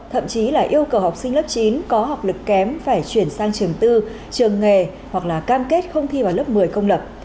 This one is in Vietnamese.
thậm chí là yêu cầu học sinh lớp chín có học lực kém phải chuyển sang trường tư trường nghề hoặc là cam kết không thi vào lớp một mươi công lập